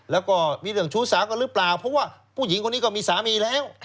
แล้วก็มีเรื่องชู้สาวกันหรือเปล่าเพราะว่าผู้หญิงคนนี้ก็มีสามีแล้ว